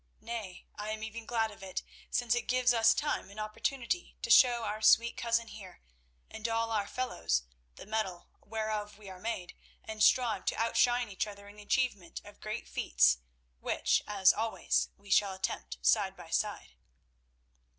Nay, I am even glad of it, since it gives us time and opportunity to show our sweet cousin here, and all our fellows, the mettle whereof we are made, and strive to outshine each other in the achievement of great feats which, as always, we shall attempt side by side."